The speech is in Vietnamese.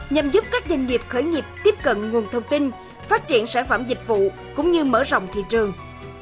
nhằm giúp các doanh nghiệp khởi nghiệp tiếp cận nguồn thông tin phát triển sản phẩm dịch vụ cũng như mở rộng thị trường